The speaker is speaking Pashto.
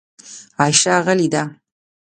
عایشه غلې ده .